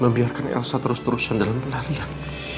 membiarkan elsa terus terusan dalam penarian